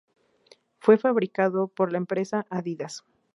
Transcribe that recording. Fue fabricado por la empresa Adidas.